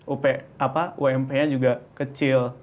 up nya juga kecil